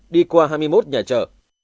đi qua hai mươi một nhà chợ